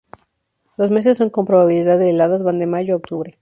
Los meses con probabilidad de heladas van de mayo a octubre.